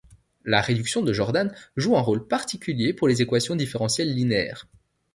La réduction de Jordan joue un rôle particulier pour les équations différentielles linéaires.